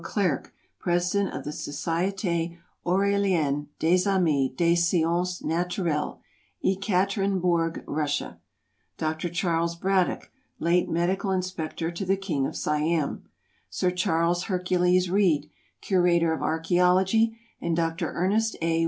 Clerc, President of the Société Ouralienne des Amis des Sciences Naturelles, Ekaterinebourg, Russia; Dr. Charles Braddock, late Medical Inspector to the King of Siam; Sir Charles Hercules Reed, Curator of Archæology, and Dr. Ernest A.